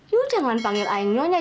you jangan panggil ayah nyonya